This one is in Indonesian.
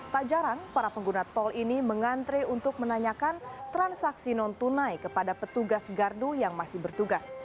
tak jarang para pengguna tol ini mengantre untuk menanyakan transaksi non tunai kepada petugas gardu yang masih bertugas